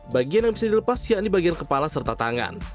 bagian yang bisa dilepas yakni bagian kepala serta tangan